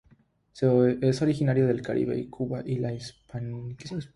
Es originario del Caribe en Cuba y la Hispaniola.